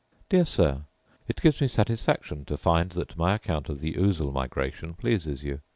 Dear Sir, It gives me satisfaction to find that my account of the ousel migration pleases you.